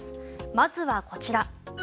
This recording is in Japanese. まずはこちら。